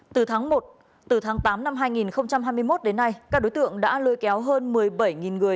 từ tháng một từ tháng tám năm hai nghìn hai mươi một đến nay các đối tượng đã lưu kéo hơn một mươi bảy người